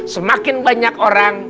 semakin banyak orang